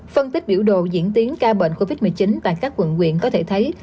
phân tích biểu đồ diễn tiến ca bệnh covid một mươi chín tại các quận quyện có thể thấy